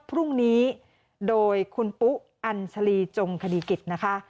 พรุ่งนี้โดยคุณปุ๊อัญชลีจงคดีกิจนะคะ